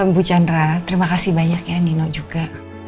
bu chandra terima kasih banyak ya nino juga